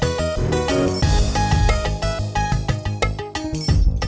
enggak mau pergi